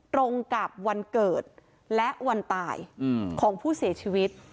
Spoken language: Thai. ตรงกับวันเกิดและวันตายของผู้เสียชีวิต